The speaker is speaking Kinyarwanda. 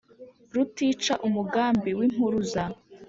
rutica umugambi w' impuruza